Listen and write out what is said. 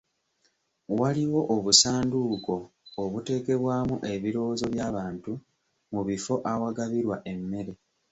Waliwo obusanduuko obuteekebwamu ebirowoozo by'abantu mu bifo awagabirwa emmere.